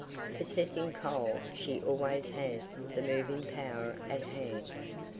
Possessing coal, she always has the moving power at hand.